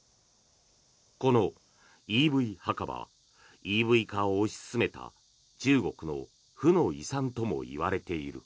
このＥＶ墓場はＥＶ化を推し進めた中国の負の遺産ともいわれている。